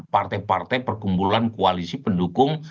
partai partai perkumpulan koalisi pendukung